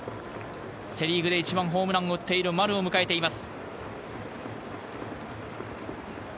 セ・リーグで一番ホームランを打っている丸を迎えています。